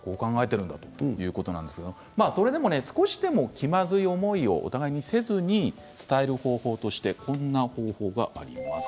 それでもね少しでも気まずい思いをお互いせずに伝える方法としてこんな方法があります。